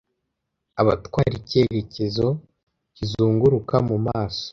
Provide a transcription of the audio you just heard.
Abatwara icyerekezo kizunguruka mu maso